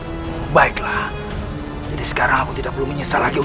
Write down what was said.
eh rambut ngambul jadi sekarang kau meremehkan aku